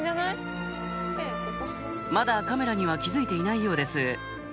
まだカメラには気付いていないようです